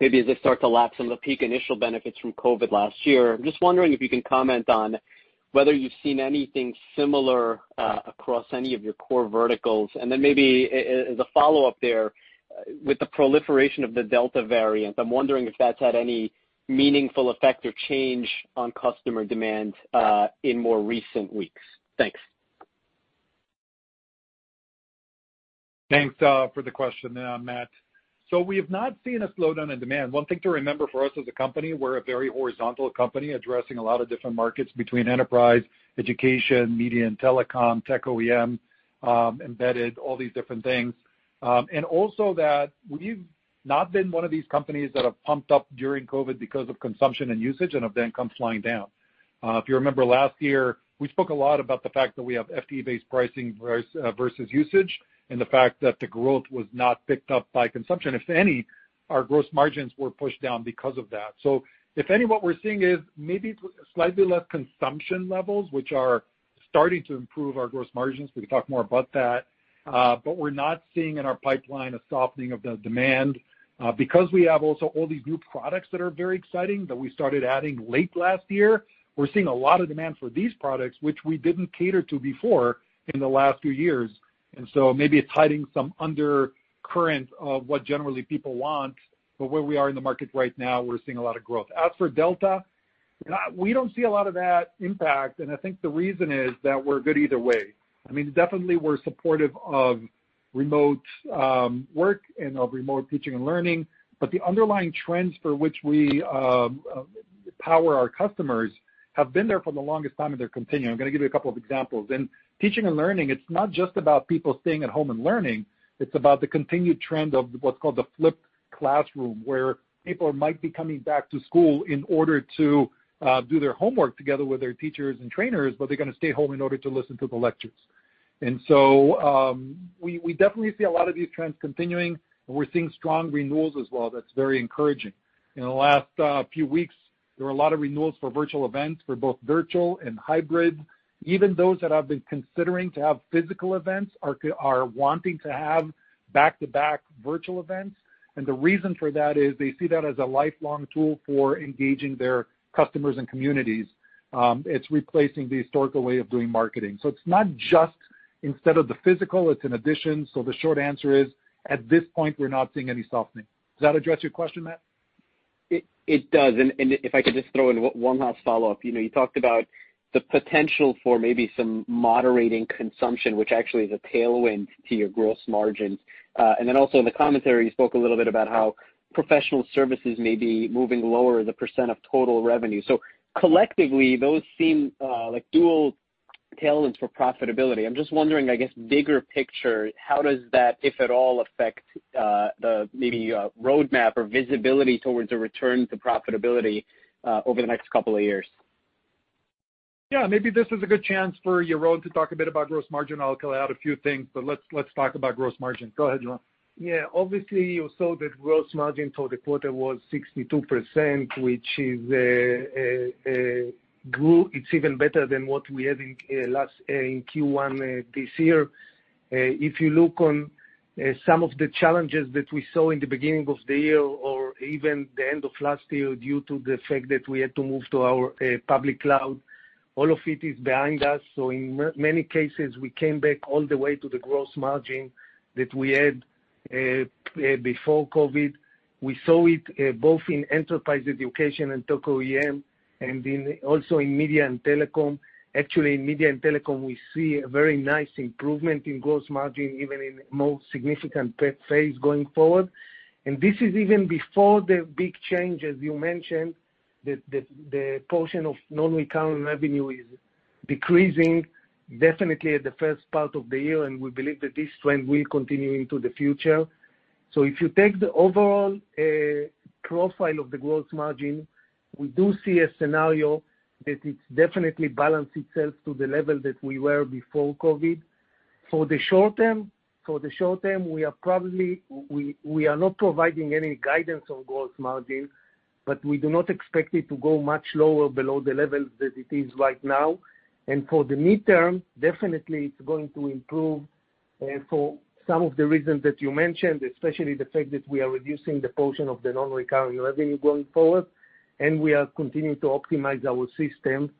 maybe as they start to lap some of the peak initial benefits from COVID last year. I'm just wondering if you can comment on whether you've seen anything similar across any of your core verticals. Then maybe as a follow-up there, with the proliferation of the Delta variant, I'm wondering if that's had any meaningful effect or change on customer demand in more recent weeks. Thanks. Thanks for the question, Matt. We have not seen a slowdown in demand. One thing to remember for us as a company, we're a very horizontal company addressing a lot of different markets between enterprise, education, media and telecom, Tech OEM, embedded, all these different things. Also that we've not been one of these companies that have pumped up during COVID because of consumption and usage and have then come flying down. If you remember last year, we spoke a lot about the fact that we have FTE-based pricing versus versus usage, and the fact that the growth was not picked up by consumption. If any, our gross margins were pushed down because of that. If any, what we're seeing is maybe slightly less consumption levels, which are starting to improve our gross margins. We can talk more about that. We're not seeing in our pipeline a softening of the demand because we have also all these new products that are very exciting that we started adding late last year. We're seeing a lot of demand for these products, which we didn't cater to before in the last few years. Maybe it's hiding some undercurrent of what generally people want, but where we are in the market right now, we're seeing a lot of growth. As for Delta, we don't see a lot of that impact, and I think the reason is that we're good either way. I mean, definitely we're supportive of remote work and of remote teaching and learning, but the underlying trends for which we power our customers have been there for the longest time, and they're continuing. I'm gonna give you a couple of examples. In teaching and learning, it's not just about people staying at home and learning. It's about the continued trend of what's called the flipped classroom, where people might be coming back to school in order to do their homework together with their teachers and trainers, but they're gonna stay home in order to listen to the lectures. We definitely see a lot of these trends continuing, and we're seeing strong renewals as well. That's very encouraging. In the last few weeks, there were a lot of renewals for virtual events for both virtual and hybrid. Even those that have been considering to have physical events are wanting to have back-to-back virtual events, and the reason for that is they see that as a lifelong tool for engaging their customers and communities. It's replacing the historical way of doing marketing. It's not just instead of the physical, it's an addition. The short answer is, at this point, we're not seeing any softening. Does that address your question, Matt? It does, If I could just throw in one last follow-up. You know, you talked about the potential for maybe some moderating consumption, which actually is a tailwind to your gross margins. Also in the commentary, you spoke a little bit about how professional services may be moving lower as a percent of total revenue. Collectively, those seem like dual- Tailwinds for profitability. I'm just wondering, I guess, bigger picture, how does that, if at all, affect the maybe roadmap or visibility towards a return to profitability over the next couple of years? Yeah, maybe this is a good chance for Yaron to talk a bit about gross margin. I'll call out a few things, but let's talk about gross margin. Go ahead, Yaron. Obviously, you saw that gross margin for the quarter was 62%, which grew. It's even better than what we had in Q1 this year. If you look on some of the challenges that we saw in the beginning of the year or even the end of last year, due to the fact that we had to move to our public cloud, all of it is behind us. In many cases, we came back all the way to the gross margin that we had before COVID. We saw it both in Enterprise & Education and Tech OEM, and also in Media and Telecom. Actually, in Media and Telecom, we see a very nice improvement in gross margin, even in the most significant phase going forward. This is even before the big changes you mentioned, the portion of non-recurring revenue is decreasing definitely at the first part of the year, and we believe that this trend will continue into the future. If you take the overall profile of the gross margin, we do see a scenario that it definitely balance itself to the level that we were before COVID. For the short term, we are not providing any guidance on gross margin, but we do not expect it to go much lower below the level that it is right now. For the midterm, definitely it's going to improve for some of the reasons that you mentioned, especially the fact that we are reducing the portion of the non-recurring revenue going forward, and we are continuing to optimize our system.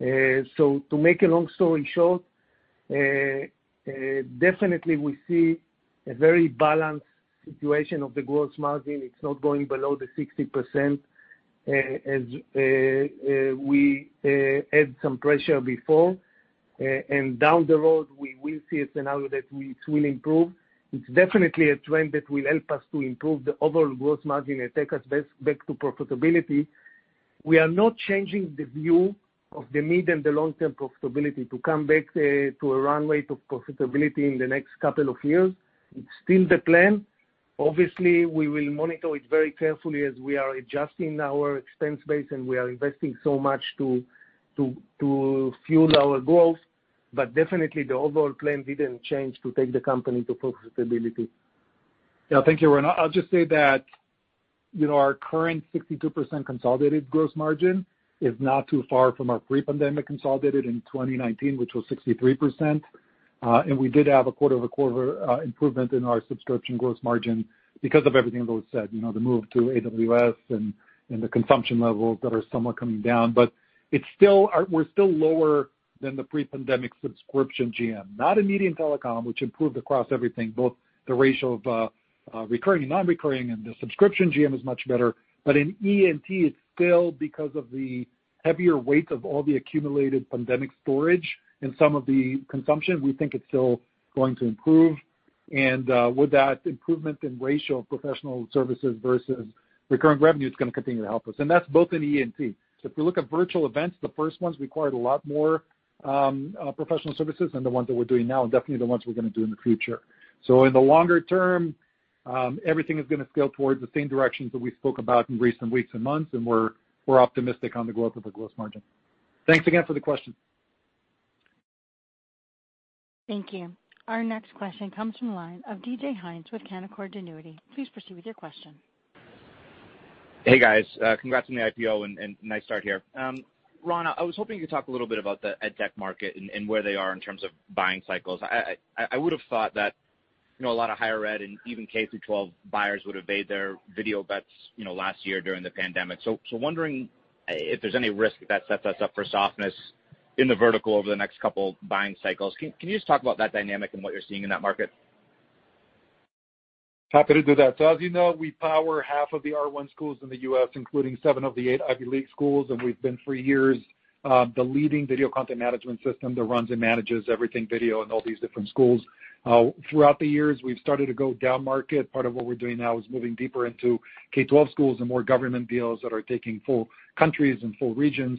To make a long story short, definitely we see a very balanced situation of the gross margin. It's not going below the 60%, as we had some pressure before. Down the road, we will see a scenario that it will improve. It's definitely a trend that will help us to improve the overall gross margin and take us back to profitability. We are not changing the view of the mid and the long-term profitability to come back to a runway to profitability in the next couple of years. It's still the plan. Obviously, we will monitor it very carefully as we are adjusting our expense base, and we are investing so much to fuel our growth. Definitely, the overall plan didn't change to take the company to profitability. Thank you, Yaron. I'll just say that our current 62% consolidated gross margin is not too far from our pre-pandemic consolidated in 2019, which was 63%. We did have a quarter-over-quarter improvement in our subscription gross margin because of everything that was said, the move to AWS and the consumption levels that are somewhat coming down. We're still lower than the pre-pandemic subscription GM. Not in Media and Telecom, which improved across everything, both the ratio of recurring, non-recurring, and the subscription GM is much better. In EET, it's still because of the heavier weight of all the accumulated pandemic storage in some of the consumption. We think it's still going to improve. With that improvement in ratio of professional services versus recurring revenue, it's going to continue to help us. That's both in EET. If we look at virtual events, the 1st ones required a lot more professional services than the ones that we are doing now, and definitely the ones we are going to do in the future. In the longer term, everything is going to scale towards the same directions that we spoke about in recent weeks and months, and we are optimistic on the growth of the gross margin. Thanks again for the question. Thank you. Our next question comes from the line of DJ Hynes with Canaccord Genuity. Please proceed with your question. Hey, guys. Congrats on the IPO and nice start here. Ron, I was hoping you could talk a little bit about the ed tech market and where they are in terms of buying cycles. I would've thought that a lot of higher ed and even K through 12 buyers would have made their video bets last year during the pandemic, wondering if there's any risk that sets us up for softness in the vertical over the next couple buying cycles. Can you just talk about that dynamic and what you're seeing in that market? Happy to do that. As you know, we power half of the R1 schools in the U.S., including 7 of the 8 Ivy League schools, and we've been, for years, the leading video content management system that runs and manages everything video in all these different schools. Throughout the years, we've started to go down-market. Part of what we're doing now is moving deeper into K12 schools and more government deals that are taking full countries and full regions.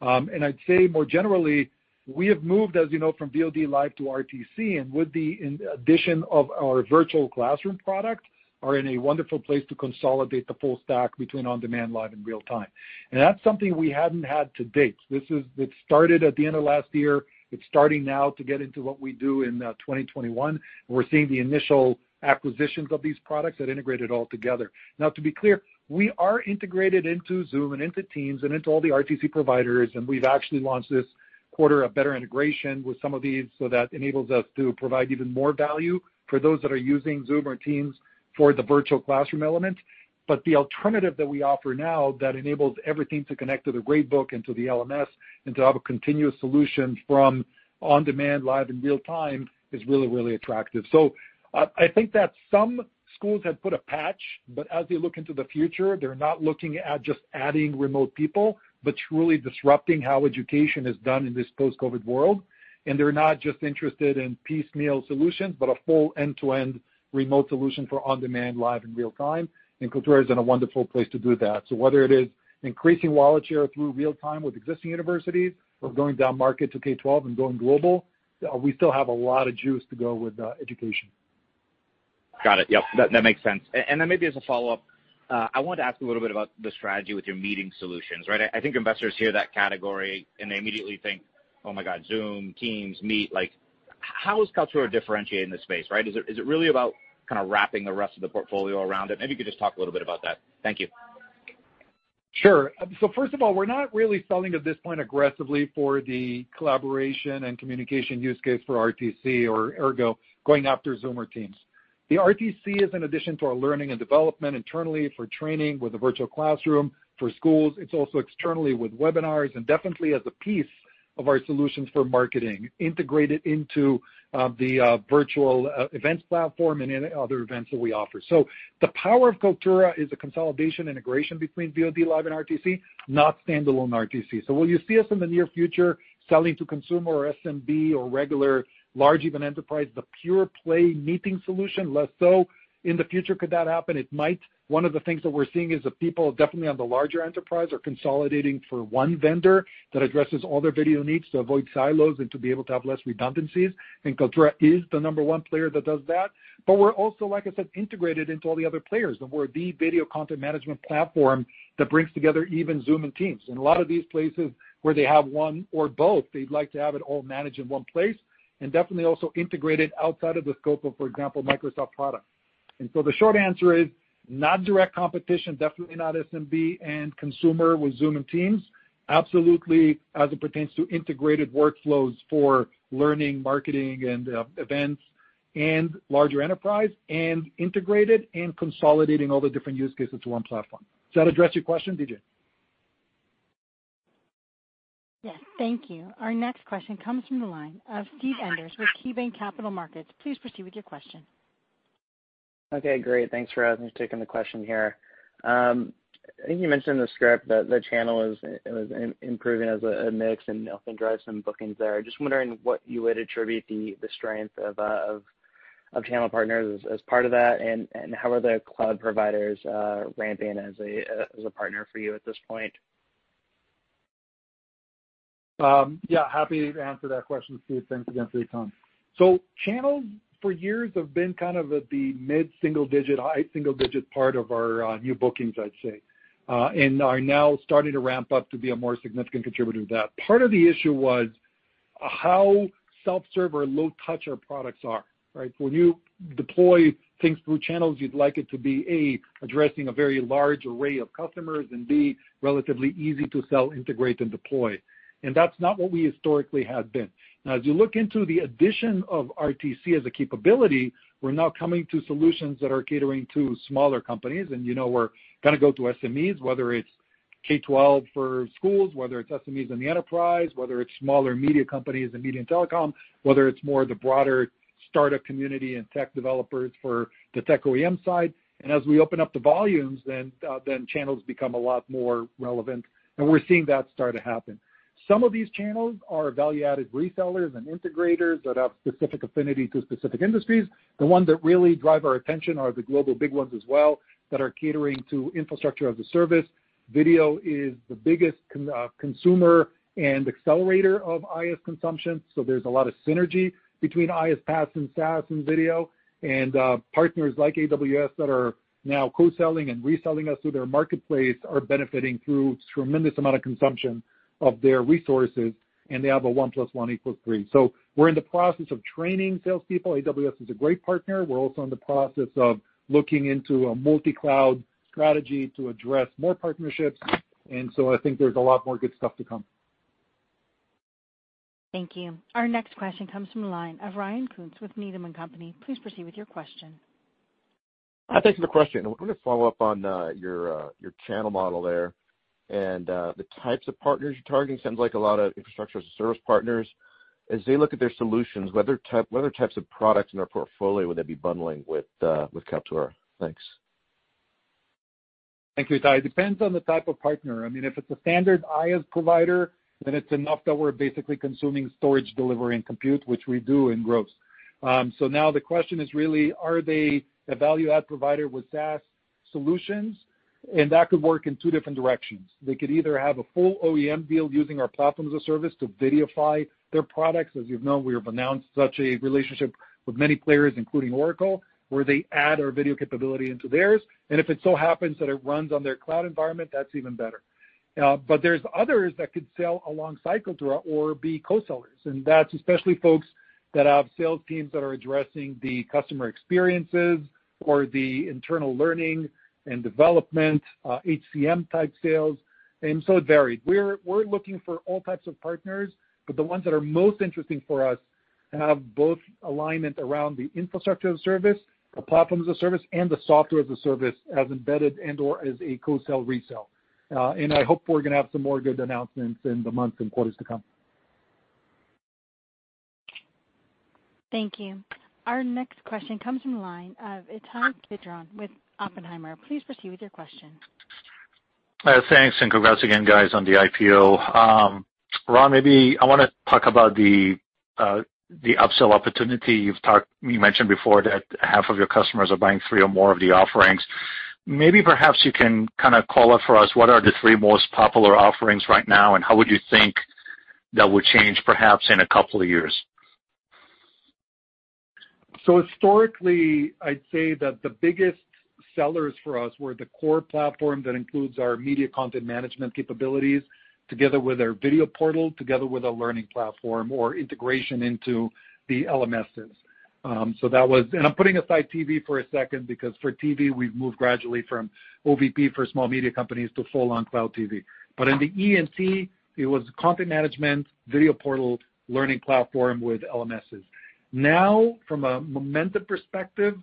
I'd say more generally, we have moved, as you know, from VOD live to RTC, and with the addition of our virtual classroom product, are in a wonderful place to consolidate the full stack between on-demand, live, and real-time. That's something we hadn't had to date. It started at the end of last year. It's starting now to get into what we do in 2021. We're seeing the initial acquisitions of these products that integrate it all together. To be clear, we are integrated into Zoom and into Teams and into all the RTC providers, and we've actually launched this quarter a better integration with some of these so that enables us to provide even more value for those that are using Zoom or Teams for the virtual classroom element. The alternative that we offer now that enables everything to connect to the grade book and to the LMS and to have a continuous solution from on-demand, live, and real time is really, really attractive. I think that some schools have put a patch. As they look into the future, they're not looking at just adding remote people, but truly disrupting how education is done in this post-COVID world. They're not just interested in piecemeal solutions, but a full end-to-end remote solution for on-demand, live, and real time, and Kaltura is in a wonderful place to do that. Whether it is increasing wallet share through real-time with existing universities or going down-market to K12 and going global, we still have a lot of juice to go with education. Got it. Yep, that makes sense. Maybe as a follow-up, I wanted to ask a little bit about the strategy with your meeting solutions, right? I think investors hear that category and they immediately think, oh my God, Zoom, Teams, Meet. How is Kaltura differentiating the space, right? Is it really about kind of wrapping the rest of the portfolio around it? Maybe you could just talk a little bit about that. Thank you. Sure. First of all, we're not really selling at this point aggressively for the collaboration and communication use case for RTC or, ergo, going after Zoom or Teams. The RTC is an addition to our learning and development internally for training with the virtual classroom for schools. It's also externally with webinars and definitely as a piece of our solutions for marketing integrated into the virtual events platform and any other events that we offer. The power of Kaltura is the consolidation integration between VOD Live and RTC, not standalone RTC. Will you see us in the near future selling to consumer or SMB or regular large even enterprise, the pure play meeting solution? Less so. In the future, could that happen? It might. One of the things that we're seeing is that people definitely on the larger enterprise are consolidating for one vendor that addresses all their video needs to avoid silos and to be able to have less redundancies. Kaltura is the number one player that does that. We're also, like I said, integrated into all the other players, and we're the video content management platform that brings together even Zoom and Teams. A lot of these places where they have one or both, they'd like to have it all managed in one place, and definitely also integrated outside of the scope of, for example, Microsoft product. The short answer is not direct competition, definitely not SMB and consumer with Zoom and Teams. Absolutely, as it pertains to integrated workflows for learning, marketing, and events and larger enterprise and consolidating all the different use cases to one platform. Does that address your question, DJ? Yes. Thank you. Our next question comes from the line of Steve Enders with KeyBanc Capital Markets. Please proceed with your question. Okay, great. Thanks for taking the question here. I think you mentioned in the script that the channel is improving as a mix and helping drive some bookings there. Just wondering what you would attribute the strength of channel partners as part of that, and how are the cloud providers ramping as a partner for you at this point? Happy to answer that question, Steve. Thanks again for your time. Channels for years have been kind of the mid-single digit, high single-digit part of our new bookings, I'd say, and are now starting to ramp up to be a more significant contributor to that. Part of the issue was how self-serve or low touch our products are, right? When you deploy things through channels, you'd like it to be, A, addressing a very large array of customers, and B, relatively easy to sell, integrate, and deploy. That's not what we historically have been. As you look into the addition of RTC as a capability, we're now coming to solutions that are catering to smaller companies, and we're going to go to SMEs, whether it's K-12 for schools, whether it's SMEs in the enterprise, whether it's smaller media companies and medium telecom, whether it's more the broader startup community and tech developers for the Tech OEM side. As we open up the volumes, then channels become a lot more relevant, and we're seeing that start to happen. Some of these channels are value-added resellers and integrators that have specific affinity to specific industries. The ones that really drive our attention are the global big ones as well that are catering to infrastructure as a service. Video is the biggest consumer and accelerator of IaaS consumption. There's a lot of synergy between IaaS, PaaS, and SaaS and video. Partners like AWS that are now co-selling and reselling us through their marketplace are benefiting through tremendous amount of consumption of their resources, and they have a one plus one equals three. We're in the process of training salespeople. AWS is a great partner. We're also in the process of looking into a multi-cloud strategy to address more partnerships. I think there's a lot more good stuff to come. Thank you. Our next question comes from the line of Ryan Koontz with Needham & Company. Please proceed with your question. Thanks for the question. I'm going to follow up on your channel model there and the types of partners you're targeting. Seems like a lot of infrastructure as a service partners. As they look at their solutions, what other types of products in our portfolio would they be bundling with Kaltura? Thanks. Thank you, Ryan. It depends on the type of partner. I mean, if it's a standard IaaS provider, then it's enough that we're basically consuming storage delivery and compute, which we do in gross. Now the question is really, are they a value-add provider with SaaS solutions? That could work in two different directions. They could either have a full OEM deal using our platform as a service to videofy their products. As you know, we have announced such a relationship with many players, including Oracle, where they add our video capability into theirs. If it so happens that it runs on their cloud environment, that's even better. There's others that could sell along side Kaltura or be co-sellers, and that's especially folks that have sales teams that are addressing the customer experiences or the internal learning and development, HCM type sales, and so it varied. We're looking for all types of partners, but the ones that are most interesting for us have both alignment around the infrastructure as a service, the platform as a service, and the software as a service as embedded and/or as a co-sell resale. I hope we're going to have some more good announcements in the months and quarters to come. Thank you. Our next question comes from the line of Itay Michaeli with Oppenheimer. Please proceed with your question. Thanks, and congrats again, guys, on the IPO. Ron, maybe I want to talk about the upsell opportunity. You mentioned before that half of your customers are buying three or more of the offerings. Maybe perhaps you can kind of call out for us what are the three most popular offerings right now, and how would you think that would change perhaps in a couple of years? Historically, I'd say that the biggest sellers for us were the core platform that includes our media content management capabilities, together with our video portal, together with our learning platform or integration into the LMSs. I'm putting aside TV for a second because for TV, we've moved gradually from OVP for small media companies to full-on Cloud TV. In the EE&T, it was content management, video portal, learning platform with LMSs. From a momentum perspective,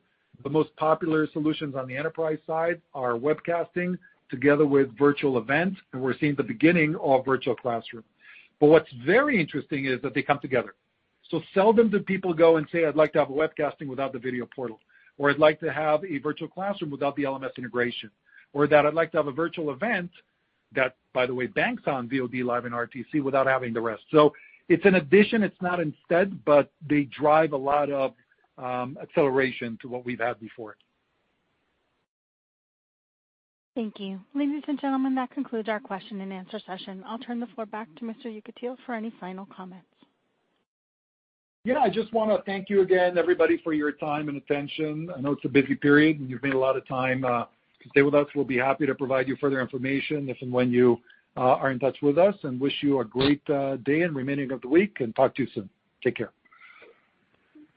the most popular solutions on the enterprise side are webcasting together with virtual events, and we're seeing the beginning of virtual classroom. What's very interesting is that they come together. Seldom do people go and say, "I'd like to have a webcasting without the video portal," or, "I'd like to have a virtual classroom without the LMS integration," or that, "I'd like to have a virtual event that, by the way, banks on VOD Live and RTC without having the rest." It's an addition, it's not instead, but they drive a lot of acceleration to what we've had before. Thank you. Ladies and gentlemen, that concludes our question and answer session. I will turn the floor back to Mr. Yekutiel for any final comments. Yeah, I just want to thank you again, everybody, for your time and attention. I know it's a busy period, and you've made a lot of time to stay with us. We'll be happy to provide you further information if and when you are in touch with us, and wish you a great day and remaining of the week, and talk to you soon. Take care.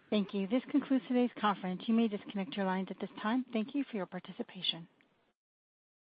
Thank you. This concludes today's conference. You may disconnect your lines at this time. Thank you for your participation.